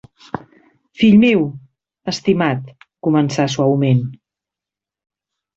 Fill meu, estimat –començà suaument–.